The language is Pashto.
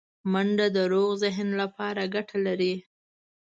منډه د روغ ذهن لپاره ګټه لري